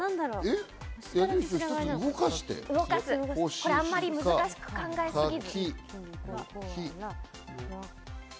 これはあんまり難しく考えすぎず。